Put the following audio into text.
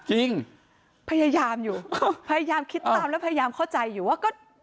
จริงพยายามอยู่พยายามคิดตามแล้วพยายามเข้าใจอยู่ว่าก็